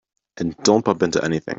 And don't bump into anything.